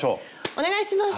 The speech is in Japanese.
お願いします！